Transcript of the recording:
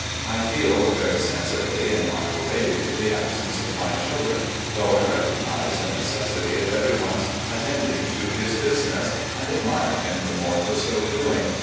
I feel very sensibly, in my old age, the absence of my children, though I recognise the necessity of every one's attending to his business, and admire him the more for so doing.